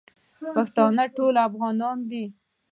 پښتانه ټول افغانان دی.